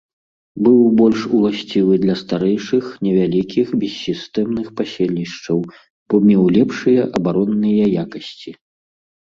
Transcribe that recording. Быў больш уласцівы для старэйшых, невялікіх, бессістэмных паселішчаў, бо меў лепшыя абаронныя якасці.